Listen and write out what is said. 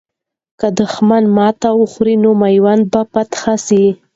که دښمن ماته وخوري، نو میوند به فتح سي.